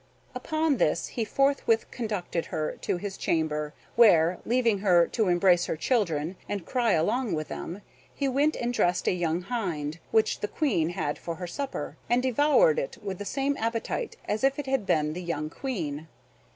Upon this he forthwith conducted her to his chamber, where, leaving her to embrace her children, and cry along with them, he went and dressed a young hind, which the Queen had for her supper, and devoured it with the same appetite as if it had been the young Queen.